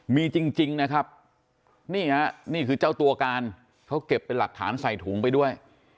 มีจริงนะครับนี่ฮะนี่คือเจ้าตัวการเขาเก็บเป็นหลักฐานใส่ถุงไปด้วย